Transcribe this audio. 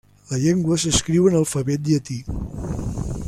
La llengua s'escriu en alfabet llatí.